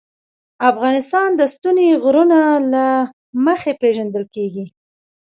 افغانستان د ستوني غرونه له مخې پېژندل کېږي.